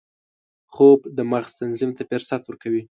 خوب د مغز تنظیم ته فرصت ورکوي